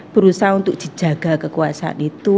berusaha untuk dijaga kekuasaan itu